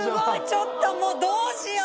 ちょっともうどうしよう！